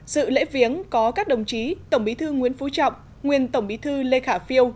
dự lễ viếng có các đồng chí tổng bí thư nguyễn phú trọng nguyên tổng bí thư lê khả phiêu